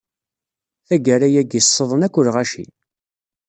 Taggara-agi, ṣṣḍen akk lɣaci.